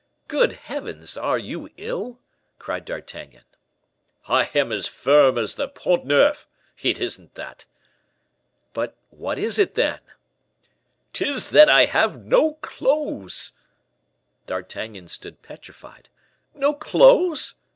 good heavens, are you ill?" cried D'Artagnan. "I am as firm as the Pont Neuf! It isn't that." "But what is it, then?" "'Tis that I have no clothes!" D'Artagnan stood petrified. "No clothes!